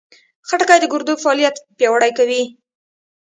خټکی د ګردو فعالیت پیاوړی کوي.